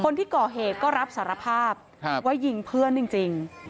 คนที่เกาะเหตุก็รับสารภาพครับไว้ยิงเพื่อนจริงจริง